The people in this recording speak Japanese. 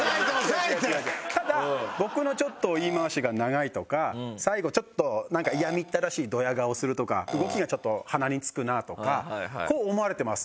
ただ僕のちょっと言い回しが長いとか最後ちょっとなんか嫌みったらしいドヤ顔するとか動きがちょっと鼻につくなあとかこう思われてます。